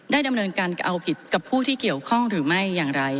ดำเนินการเอาผิดกับผู้ที่เกี่ยวข้องหรือไม่อย่างไร